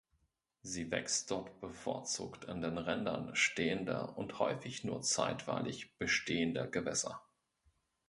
Sie wächst dort bevorzugt an den Rändern stehender und häufig nur zeitweilig bestehender Gewässer.